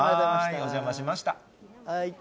お邪魔しました。